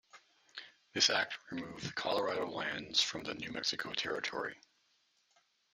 This Act removed the Colorado lands from the New Mexico Territory.